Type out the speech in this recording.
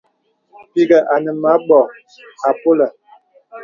Pìghə̀ ane mə anbô àpolə̀.